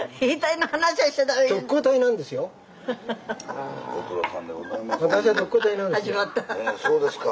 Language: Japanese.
ああそうですか。